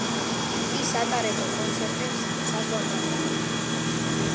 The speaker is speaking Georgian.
ის ატარებდა კონცერტებს საზღვარგარეთ.